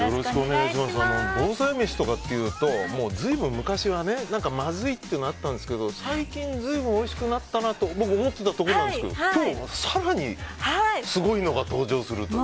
防災メシとかっていうと随分昔はねまずいってのがあったんですけど最近、随分おいしくなったなと思っていたところですが今日は更にすごいのが登場すると。